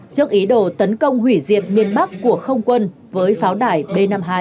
trước ý đồ tấn công hủy diệt miền bắc của không quân với pháo đài b năm mươi hai